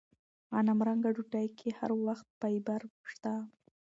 غنمرنګه ډوډۍ کې هر وخت فایبر شته.